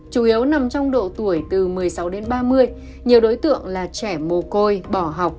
chủ yếu nằm trong độ tuổi từ một mươi sáu đến ba mươi nhiều đối tượng là trẻ mồ côi bỏ học